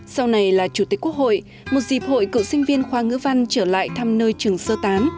sau này là chủ tịch quốc hội một dịp hội cựu sinh viên khoa ngữ văn trở lại thăm nơi trường sơ tán